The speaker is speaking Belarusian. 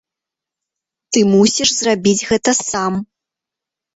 Ты мусіш зрабіць гэта сам.